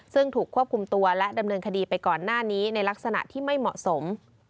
ซึ่งถูกควบคุมตัวและดำเนินคดีไปก่อนหน้านี้ในลักษณะที่ไม่เหมาะสม